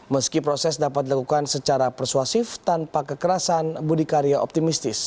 meski proses dapat dilakukan secara persuasif tanpa kekerasan budi karya optimistis